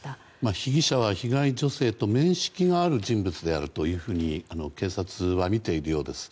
被疑者は被害女性と面識がある人物と警察は見ているようです。